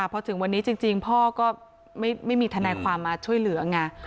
พอถึงวันนี้จริงพ่อก็ไม่มีทนายความมาช่วยเหลือไง